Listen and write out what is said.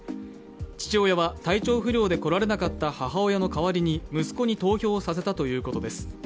父親は体調不良で来られなかった母親の代わりに息子に投票させたということです。